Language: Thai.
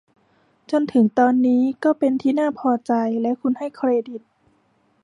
จนถึงตอนนี้ก็เป็นที่น่าพอใจและคุณให้เครดิต